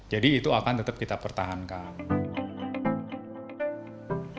jadi itu akan tetap kita pertahankan